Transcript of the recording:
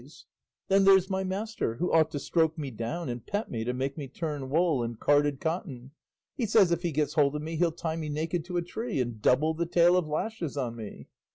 Then there's my master, who ought to stroke me down and pet me to make me turn wool and carded cotton; he says if he gets hold of me he'll tie me naked to a tree and double the tale of lashes on me.